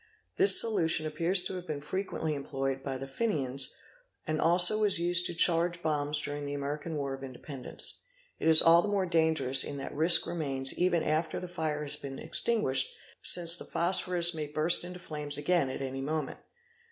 This solution appears to have been frequently employed by the Fenians and also was used to charge bombs during the American War of Independence. It is all the more dangerous in that risk remains even after the fire has been extinguished, since the phosphorus may burst into flame again at any moment.